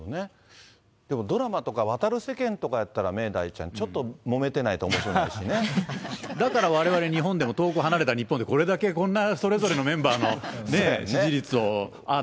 でもドラマとか、渡る世間とかやったら、明大ちゃん、ちょっともめてないとおもしだから、われわれ日本でも遠く離れた日本でのこれだけこんな、それぞれのメンバーの支持率をああだ